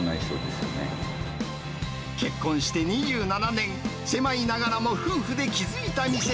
結婚して２７年、狭いながらも夫婦で築いた店。